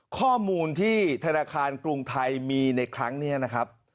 ข้อมูลที่ธนาคารกรุงไทยมีในครั้งนี้นะครับ